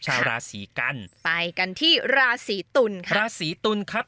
ชาวราศีกันไปกันที่ราศีตุลค่ะราศีตุลครับ